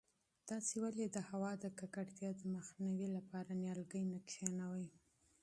تاسې ولې د هوا د ککړتیا د مخنیوي لپاره نیالګي نه کښېنوئ؟